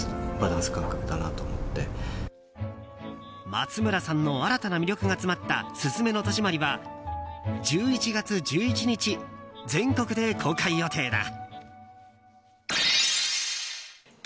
松村さんの新たな魅力が詰まった「すずめの戸締まり」は１１月１１日、全国で公開予定だ。